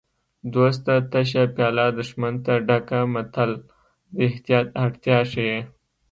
دوست ته تشه پیاله دښمن ته ډکه متل د احتیاط اړتیا ښيي